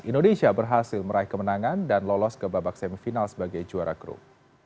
indonesia berhasil meraih kemenangan dan lolos ke babak semifinal sebagai juara grup